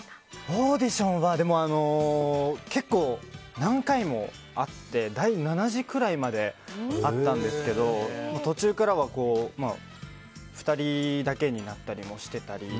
オーディションは結構、何回もあって第７次くらいまであったんですけど途中からは２人だけになったりもしてたり。